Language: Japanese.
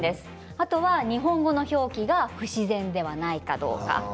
あとは日本語の表記が不自然ではないかどうか。。